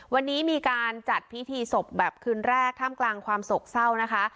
วันนี้มีการจัดพิธีศพแบบคืนแรกท่ามกลางความโศกเศร้านะคะ